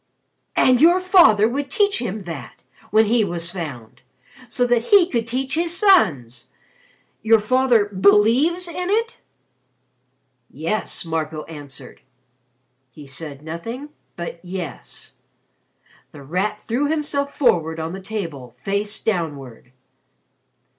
"And your father would teach him that when he was found! So that he could teach his sons. Your father believes in it?" "Yes," Marco answered. He said nothing but "Yes." The Rat threw himself forward on the table, face downward.